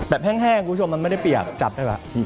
แห้งคุณผู้ชมมันไม่ได้เปียกจับได้ว่ะ